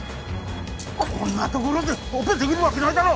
こんなところでオペできるわけないだろ！